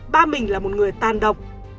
ba mình là một người tan độc